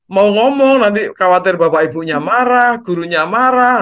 mau ngomong nanti khawatir bapak ibunya marah gurunya marah